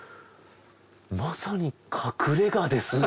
まさに隠れ家ですね。